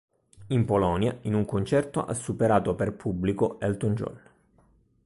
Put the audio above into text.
In Polonia, in un concerto ha superato per pubblico Elton John.